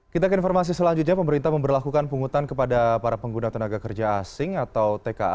kita ke informasi selanjutnya pemerintah memperlakukan pungutan kepada para pengguna tenaga kerja asing atau tka